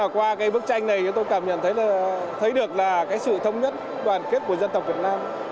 qua bức tranh này tôi cảm nhận thấy được sự thống nhất đoàn kết của dân tộc việt nam